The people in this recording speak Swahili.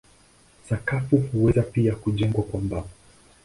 Sakafu huweza pia kujengwa kwa mbao.